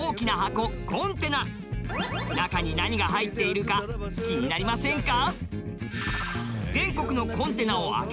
中に何が入っているか気になりませんか？